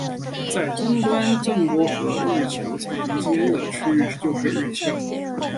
在终端震波和日球层顶中间的区域就是日鞘。